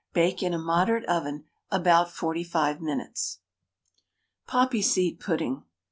Bake in a moderate oven about 45 minutes. POPPY SEED PUDDING.